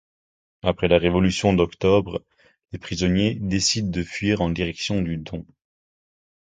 Après la révolution d'Octobre les prisonniers décident de fuir en direction du Don.